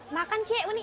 makan c unik